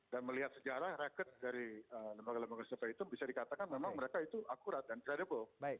dan melihat sejarah rekap dari lembaga lembaga survei itu bisa dikatakan memang mereka itu akurat dan credible